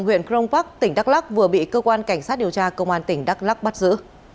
nguyễn can trung huyện crong park tỉnh đắk lắk vừa bị cơ quan cảnh sát điều tra công an tỉnh đắk lắk bắt giữ